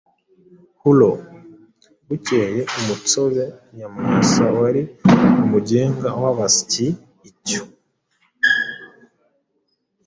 Huro. Bukeye umutsobe Nyamwasa wari umugenga w’abasyi icyo